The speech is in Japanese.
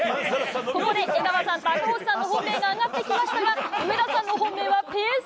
ここで江川さんと赤星さんの本命が上がってきましたが上田さんの本命はペース